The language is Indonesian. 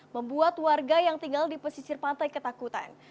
membuat warga yang tinggal di pesisir pantai ketakutan